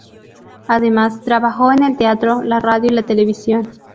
Además, trabajó en el teatro, la radio y la televisión.